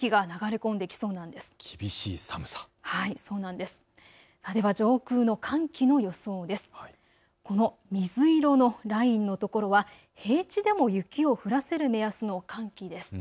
この水色のラインのところは平地でも雪を降らせる目安の寒気です。